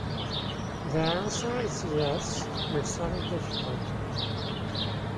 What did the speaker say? The answer is yes, with some difficulty.